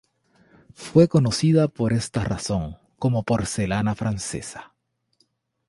Fue conocida por esta razón como porcelana francesa.